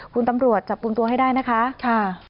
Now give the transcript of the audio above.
คุณตำรวจจับปรุงตัวให้ได้นะคะค่ะ